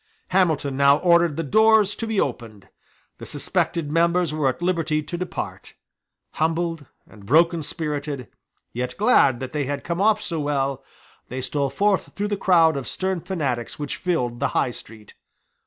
Hamilton now ordered the doors to be opened. The suspected members were at liberty to depart. Humbled and brokenspirited, yet glad that they had come off so well, they stole forth through the crowd of stern fanatics which filled the High Street.